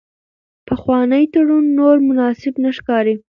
پخوانی تړون نور مناسب نه ښکاري.